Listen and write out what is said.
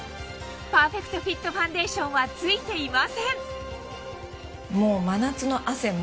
パーフェクトフィットファンデーションはついていません